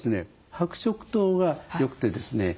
白色灯がよくてですね。